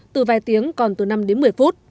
từ vài tiếng còn từ năm đến một mươi phút